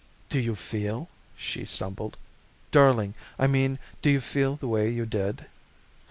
"Do you feel," she stumbled, "darling, I mean, do you feel the way you did?"